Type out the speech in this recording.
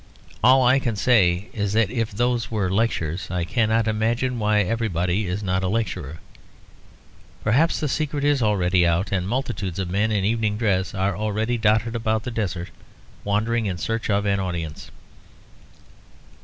All I can say is that if those were lectures, I cannot imagine why everybody is not a lecturer. Perhaps the secret is already out; and multitudes of men in evening dress are already dotted about the desert, wandering in search of an audience.